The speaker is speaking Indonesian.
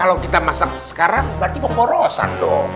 kalau kita masak sekarang berarti peporosan dong